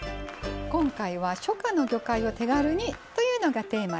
今回は「初夏の魚介を手軽に」というのがテーマです。